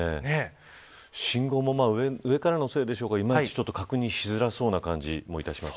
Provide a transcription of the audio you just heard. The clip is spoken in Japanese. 信号も上からのせいでしょうがいまいち確認しづらそうな感じもします。